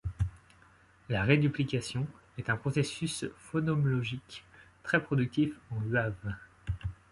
La réduplication est un processus phonomlogique très productif en Huave.